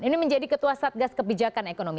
ini menjadi ketua satgas kebijakan ekonomi